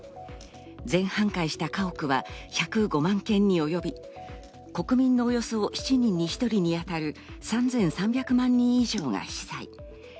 全半壊した家屋は１０５万軒に及び、国民のおよそ７人に１人に当たる、３３００万人以上が被災。